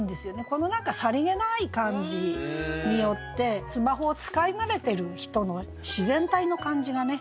この何かさりげない感じによってスマホを使い慣れてる人の自然体の感じがね